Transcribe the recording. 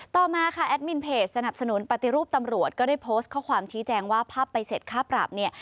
ต่อมาค่ะแอดมินเพจสนับสนุนปฏิรูปตำรวจก็ได้โพสต์ข้อความชี้แจงว่าภาพใบเสร็จค่าปรับเนี่ย